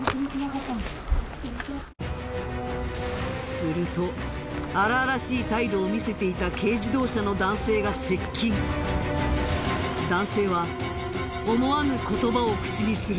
すると荒々しい態度を見せていた軽自動車の男性は思わぬ言葉を口にする！